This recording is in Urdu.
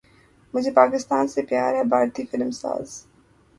مجھے پاکستان سے پیار ہے بھارتی فلم ساز